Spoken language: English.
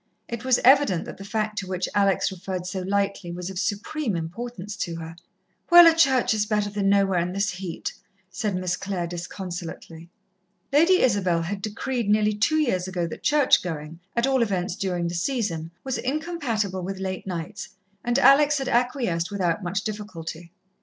It was evident that the fact to which Alex referred so lightly was of supreme importance to her. "Well, a church is better than nowhere in this heat," said Miss Clare disconsolately. Lady Isabel had decreed nearly two years ago that church going, at all events during the season, was incompatible with late nights, and Alex had acquiesced without much difficulty.